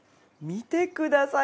見てください。